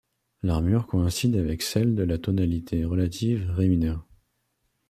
L'armure coïncide avec celle de la tonalité relative ré mineur.